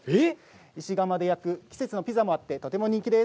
石窯で焼く季節のピザもあってとても人気です。